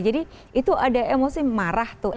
jadi itu ada emosi marah tuh